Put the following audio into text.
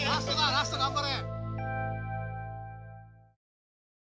ラスト頑張れ！